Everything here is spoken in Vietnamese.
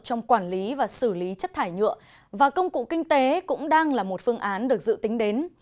trong quản lý và xử lý chất thải nhựa và công cụ kinh tế cũng đang là một phương án được dự tính đến